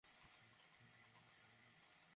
আমিও প্রথমে তালগোল পাচ্ছিলাম না কিছু।